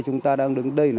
chúng ta đang đứng đây